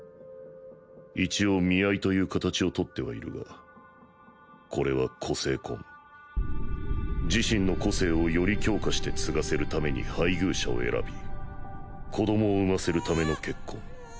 一応見合いという形を取ってはいるがこれは個性婚自身の個性をより強化して継がせる為に配偶者を選び子どもを産ませる為の結婚。